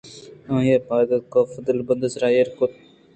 آئی ءَ پاد کاف ءِ دلبند ءِ سرا ایر کُت